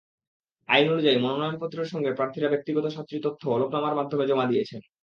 আইন অনুযায়ী, মনোনয়নপত্রের সঙ্গে প্রার্থীরা ব্যক্তিগত সাতটি তথ্য হলফনামার মাধ্যমে জমা দিয়েছেন।